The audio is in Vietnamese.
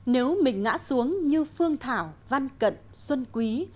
nếu mình ngã xuống như phương thảo văn cận xuân quý